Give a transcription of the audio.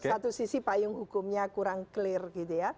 satu sisi payung hukumnya kurang clear gitu ya